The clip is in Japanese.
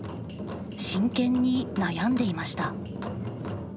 真剣に悩んでいました。